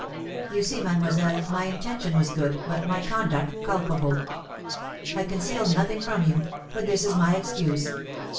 You see, mademoiselle, my intention was good, but my conduct culpable. I conceal nothing from you, but this is my excuse.